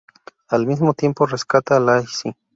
Al mismo tiempo, rescata a Lacy.